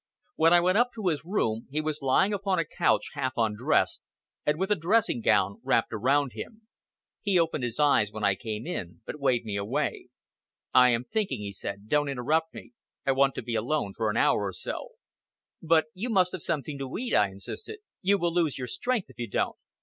When I went up to his room, he was lying upon a couch, half undressed, and with a dressing gown wrapped around him. He opened his eyes when I came in, but waved me away. "I am thinking," he said. "Don't interrupt me; I want to be alone for an hour or so." "But you must have something to eat," I insisted. "You will lose your strength if you don't."